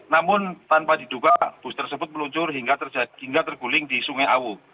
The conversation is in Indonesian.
namun tanpa diduga bus tersebut meluncur hingga terguling di sungai awu